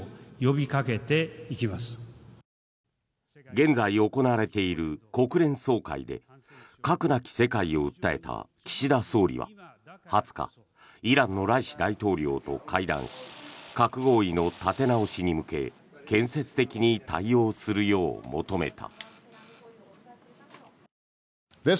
現在行われている国連総会で核なき世界を訴えた岸田総理は２０日イランのライシ大統領と会談し核合意の立て直しに向け建設的に対応するよう求めた。